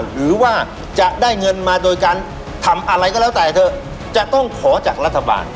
หรือว่าจะได้เงินมาโดยการทำอะไรก็แล้วแต่เธอจะต้องขอจากรัฐบาล